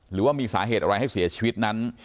หรือว่ามีสาเหตุอะไรให้เสียชีวิตนั้น